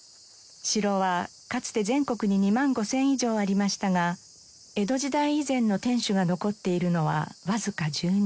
城はかつて全国に２万５０００以上ありましたが江戸時代以前の天守が残っているのはわずか１２。